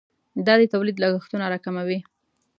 دا د تولید لګښتونه راکموي.